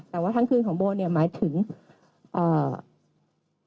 แต่ว่าทั้งคืนของโบเนี่ยหมายถึงเอ่อ